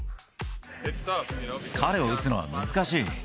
彼を打つのは難しい。